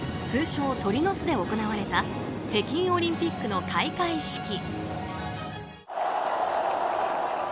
通称、鳥の巣で行われた北京オリンピックの開会式。